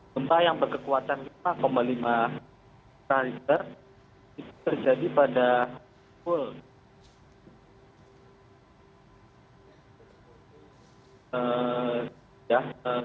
gempa yang berkekuatan lima lima mahnitudo terjadi pada bulan